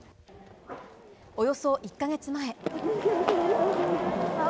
およそ１か月前。